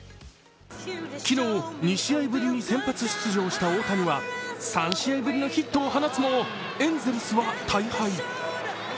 昨日２試合ぶりに先発出場した大谷は３試合ぶりのヒットを放つもエンゼルスは大敗。